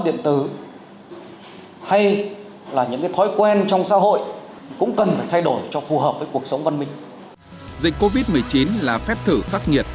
dịch covid một mươi chín là phép thử khắc nghiệt